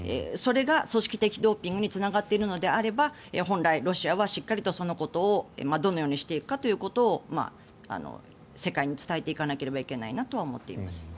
それが組織的ドーピングにつながっているのであれば本来、ロシアはしっかりとそのことをどのようにしていくかということを世界に伝えていかなければいけないなとは思っています。